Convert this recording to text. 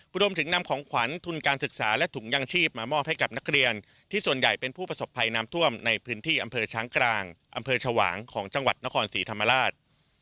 รวมถึงนำของขวัญทุนการศึกษาและถุงยางชีพมามอบให้กับนักเรียนที่ส่วนใหญ่เป็นผู้ประสบภัยน้ำท่วมในพื้นที่อำเภอช้างกลางอำเภอชวางของจังหวัดนครศรีธรรมราช